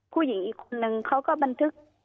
ผู้หญิงอีกคนนึงเขาก็บันทึก